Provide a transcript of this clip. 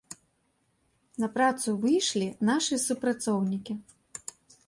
На працу выйшлі нашы супрацоўнікі.